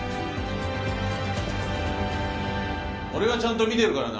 俺はちゃんと見てるからな。